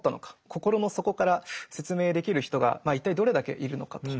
心の底から説明できる人が一体どれだけいるのかと。